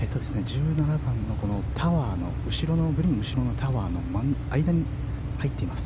１７番のグリーン後ろのタワーの間に入っています。